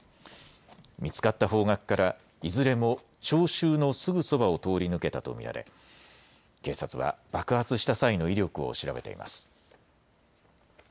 見つかった方角からいずれも聴衆のすぐそばを通り抜けたと見られ、警察は爆発した際の威力を調べています。